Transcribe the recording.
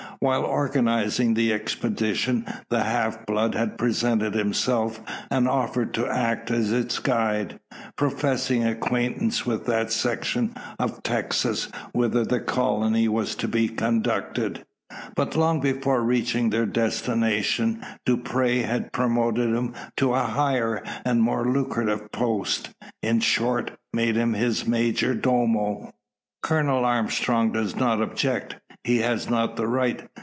While organising the expedition, the half blood had presented himself, and offered to act as its guide professing acquaintance with that section of Texas whither the colony was to be conducted. But long before reaching their destination, Dupre had promoted him to a higher and more lucrative post in short, made him his "major domo." Colonel Armstrong does not object. He has not the right.